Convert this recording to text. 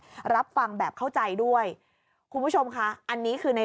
รับฟังแบบเข้าใจด้วยคุณผู้ชมค่ะอันนี้คือใน